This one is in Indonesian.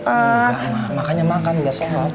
enggak mak makannya makan biar sehat